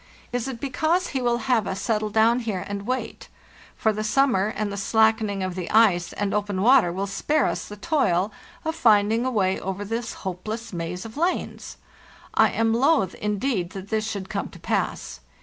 Is it because he will have us settle down here and wait, for the summer and the slackening of the ice and open water will spare us the toil of finding a way over this hopeless maze of lanes? I am loath, indeed, that this should come to pass.